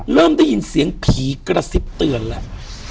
เริ่มได้ยินเสียงผีกระซิบเตือนแล้ว